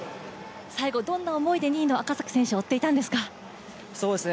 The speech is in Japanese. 最後、どんな思いで２位の赤崎選手を追っていたんですか？